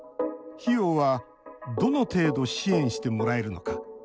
費用はどの程度支援してもらえるのか。